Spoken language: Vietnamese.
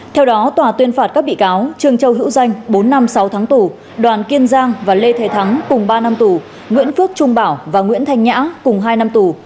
theo đó tòa tuyên phạt các bị cáo trương châu hữu danh bốn năm sáu tháng tù đoàn kiên giang và lê thế thắng cùng ba năm tù nguyễn phước trung bảo và nguyễn thanh nhã cùng hai năm tù